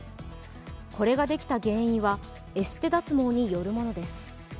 これができた原因は、エステ脱毛によるものです。